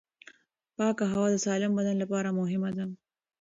پاکه هوا د سالم بدن لپاره مهمه ده.